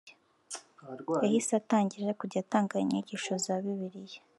yahise atangira kujya atanga inyigisho za bibiliya